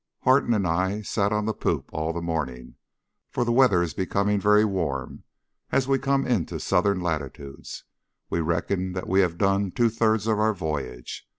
Harton and I sat on the poop all the morning, for the weather is becoming very warm as we come into southern latitudes. We reckon that we have done two thirds of our voyage.